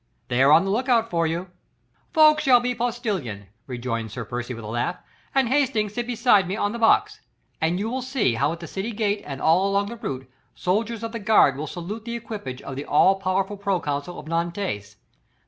They are on the look out for you." "Ffoulkes shall be postilion," rejoined Sir Percy with a laugh, "and Hastings sit beside me on the box. And you will see how at the city gate and all along the route soldiers of the guard will salute the equipage of the all powerful proconsul of Nantes.